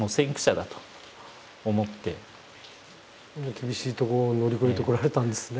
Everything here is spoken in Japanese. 厳しいとこを乗り越えてこられたんですね。